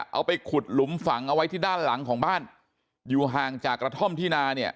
เอาไปขุดหลุมฝังเอาไว้ที่ด้านหลังของบ้านอยู่ห่างจากกระท่อมที่นาเนี่ย